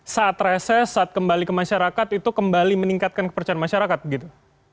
saat reses saat kembali ke masyarakat itu kembali meningkatkan kepercayaan masyarakat gitu